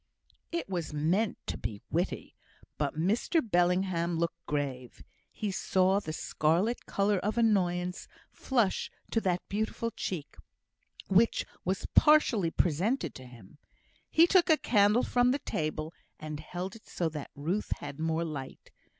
It was meant to be witty, but Mr Bellingham looked grave. He saw the scarlet colour of annoyance flush to that beautiful cheek which was partially presented to him. He took a candle from the table, and held it so that Ruth had more light.